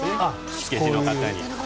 火消しの方に。